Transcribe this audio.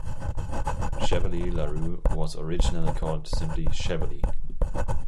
Chevilly-Larue was originally called simply Chevilly.